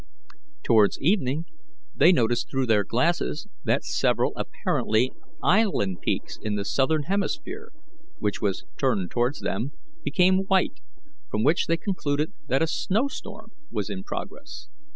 Towards evening they noticed through their glasses that several apparently island peaks in the southern hemisphere, which was turned towards them, became white, from which they concluded that a snow storm was in progress.